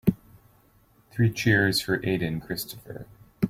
Three cheers for Aden Christopher.